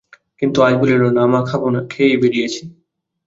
কিন্তু আজ বলিল, না মা, খাব না– খেয়েই বেরিয়েছি।